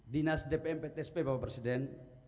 dinas dpm ptsp bapak presiden